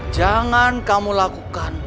jangan kamu lakukan